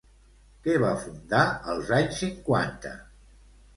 Què va fundar als anys cinquanta?